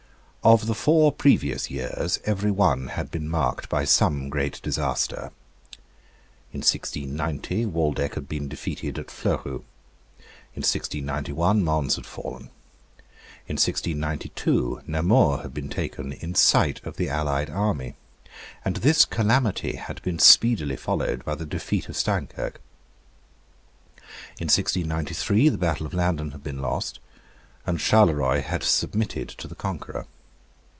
Of the four previous years every one had been marked by some great disaster. In 1690 Waldeck had been defeated at Fleurus. In 1691 Mons had fallen. In 1692 Namur had been taken in sight of the allied army; and this calamity had been speedily followed by the defeat of Steinkirk. In 1693 the battle of Landen had been lost; and Charleroy had submitted to the conqueror.